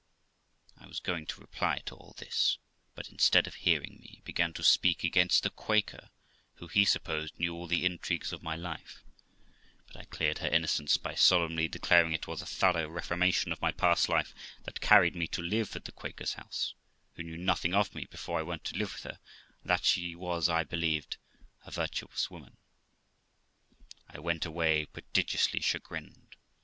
I was going to reply to all this, but, instead of hearing me, he began to speak against the Quaker, who, he supposed, knew all the intrigues of my life; but I cleared her innocence, by solemnly declaring it was a thorough reformation of my past life that carried me to live at the Quaker's house, who knew nothing of me before I went to live with her, and that she was, I believed, a virtuous woman. I went away prodigiously chagrined.